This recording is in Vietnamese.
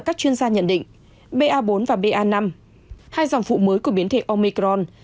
các chuyên gia nhận định ba bốn và ba năm hai dòng phụ mới của biến thể omicron